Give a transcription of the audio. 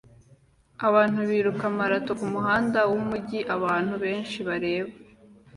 Abantu biruka marato kumuhanda wumujyi abantu benshi bareba